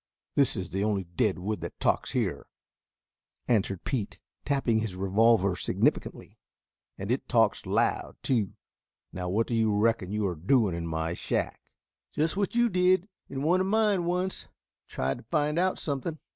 "This is the only dead wood that talks here," answered Pete, tapping his revolver significantly. "And it talks loud, too. Now what do you reckon you are doing in my shack?" "Just what you did in one of mine once, tried to find out something.